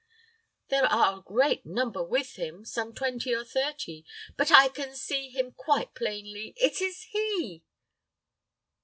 There are a great number with him some twenty or thirty; but I can see him quite plainly. It is he!"